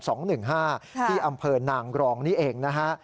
ที่อำเภอนางรองนี่เองนะฮะ